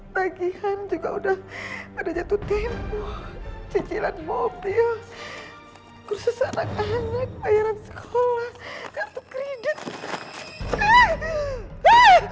bagian juga udah pada jatuh tempo cicilan mobil khusus anak anak bayaran sekolah kartu kredit